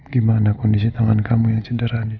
gimana kondisi tangan kamu yang cedera